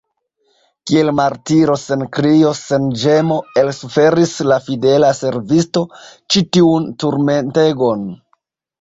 Kiel martiro, sen krio, sen ĝemo elsuferis la fidela servisto ĉi tiun turmentegon.